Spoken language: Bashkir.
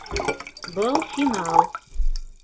Был - финал.